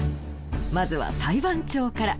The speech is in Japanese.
まずは裁判長から。